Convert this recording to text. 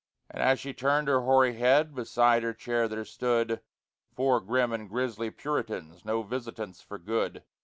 And as she turned her hoary head, Beside her chair there stood Four grim and grisly Puritans No visitants for good.